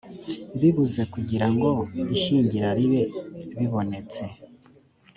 bibuze kugira ngo ishyingira ribe bibonetse